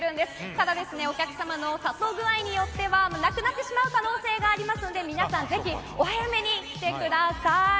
ただ、お客様の殺到具合によってはなくなってしまう可能性がありますので皆さんぜひ、お早めに来てください。